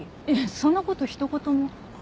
そんな事ひと言も。